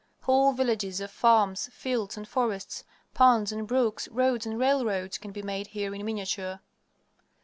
Whole villages of farms, fields, and forests, ponds and brooks, roads and railroads, can be made here in miniature.